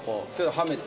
はめて？